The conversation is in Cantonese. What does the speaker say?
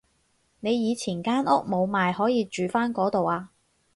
你以前間屋冇賣可以住返嗰度啊